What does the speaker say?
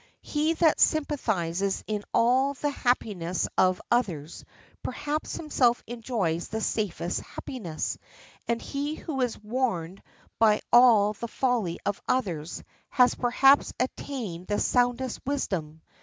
He that sympathizes in all the happiness of others perhaps himself enjoys the safest happiness, and he who is warned by all the folly of others has perhaps attained the soundest wisdom.